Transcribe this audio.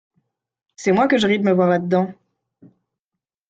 C'est moi que je ris de me voir là dedans …